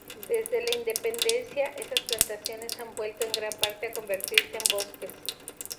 Desde la independencia, esas plantaciones han vuelto en gran parte a convertirse en bosques.